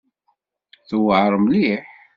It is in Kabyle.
Tuɛeṛ mliḥ.